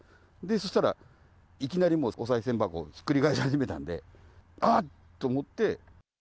そしたら、いきなりおさい銭箱をひっくり返し始めたので、あっと思って。